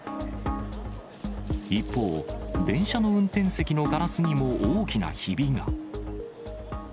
一方、電車の運転席のガラスにも大きなひびが。